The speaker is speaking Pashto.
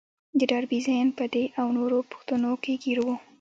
د ډاربي ذهن په دې او نورو پوښتنو کې ګير و.